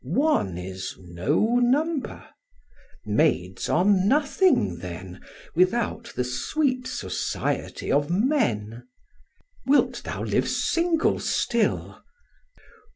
One is no number; maids are nothing, then, Without the sweet society of men. Wilt thou live single still?